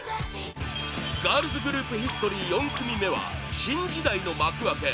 ガールズグループヒストリー４組目は新時代の幕開け！